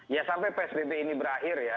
ya sampai psbb ini berakhir ya